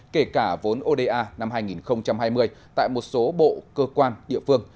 kể cả vốn oda năm hai nghìn hai mươi tại một số bộ cơ quan địa phương